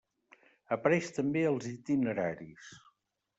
Apareix també als Itineraris.